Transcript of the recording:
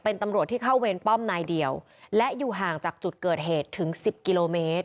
เป็นตำรวจที่เข้าเวรป้อมนายเดียวและอยู่ห่างจากจุดเกิดเหตุถึงสิบกิโลเมตร